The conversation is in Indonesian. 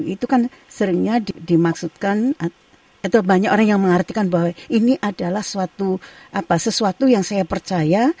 itu kan seringnya dimaksudkan atau banyak orang yang mengartikan bahwa ini adalah sesuatu yang saya percaya